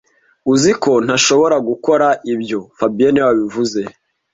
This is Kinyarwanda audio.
Uzi ko ntashobora gukora ibyo fabien niwe wabivuze